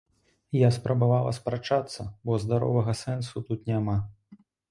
Я спрабавала спрачацца, бо здаровага сэнсу тут няма.